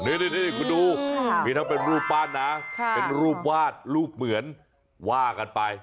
นี่คุณดูมีทั้งเป็นรูปปั้นนะเป็นรูปวาดรูปเหมือนว่ากันไป